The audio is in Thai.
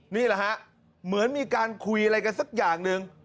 นี่แหละฮะเหมือนมีการคุยอะไรกันสักอย่างหนึ่ง